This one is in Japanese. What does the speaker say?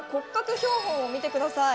標本を見てください。